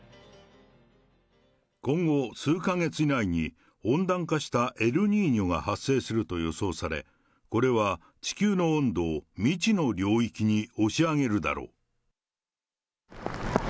今後数か月以内に、温暖化したエルニーニョが発生すると予想され、これは地球の温度を未知の領域に押し上げるだろう。